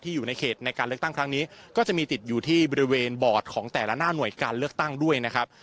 อยู่ในเขตในการเลือกตั้งครั้งนี้ก็จะมีติดอยู่ที่บริเวณบอร์ดของแต่ละหน้าหน่วยการเลือกตั้งด้วยนะครับ